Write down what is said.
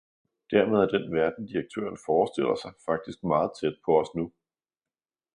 Dermed er den verden direktøren forestiller sig, faktisk meget tæt på os nu.